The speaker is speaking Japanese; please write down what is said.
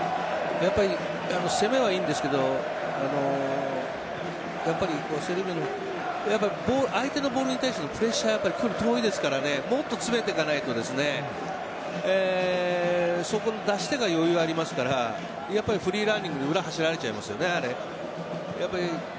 やっぱり攻めはいいんですけれどセルビアやっぱり相手のボールに対してのプレスが距離遠いですからもっと詰めていかないと出し手が余裕ありますからフリーランニングで裏、走られちゃいますよね。